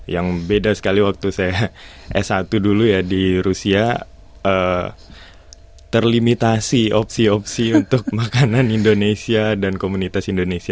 yang beda sekali waktu saya s satu dulu ya di rusia terlimitasi opsi opsi untuk makanan indonesia dan komunitas indonesia